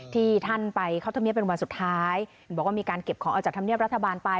ที่ท่านไปเข้าธรรมเนียบเป็นวันสุดท้ายบอกว่ามีการเก็บของออกจากธรรมเนียบรัฐบาลไป